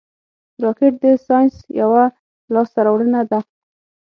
راکټ د ساینس یوه لاسته راوړنه ده